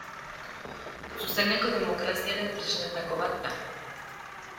Zuzeneko demokraziaren tresnetako bat da.